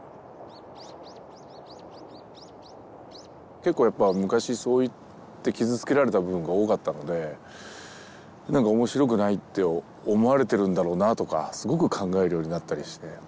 結構やっぱ昔そういって傷つけられた部分が多かったのでなんか面白くないって思われてるんだろうなとかすごく考えるようになったりして。